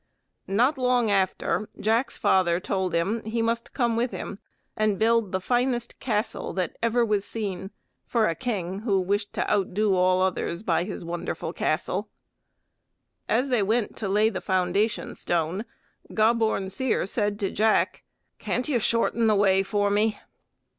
Not long after, Jack's father told him he must come with him and build the finest castle that ever was seen, for a king who wished to outdo all others by his wonderful castle. And as they went to lay the foundation stone, Gobborn Seer said to Jack, "Can't you shorten the way for me?"